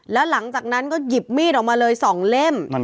แล้วหลังจากนั้นก็หยิบมีดออกมาเลย๒เล่ม